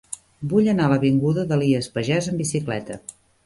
Vull anar a l'avinguda d'Elies Pagès amb bicicleta.